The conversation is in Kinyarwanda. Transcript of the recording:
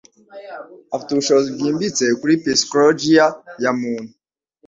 Afite ubushishozi bwimbitse kuri psychologiya ya muntu.